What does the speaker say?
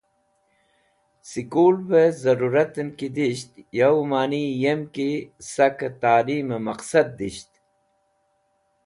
Sekulvẽ zẽrũratẽn ki disht yo mani yem ki sakẽ talim maqsad disht.